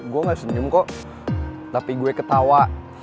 gue gak senyum kok tapi gue ketawa